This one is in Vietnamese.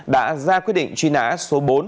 đã ra quyết định truy nã số bốn